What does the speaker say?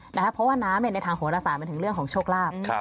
เพราะว่าน้ำในทางโหรศาสตร์มันถึงเรื่องของโชคลาภ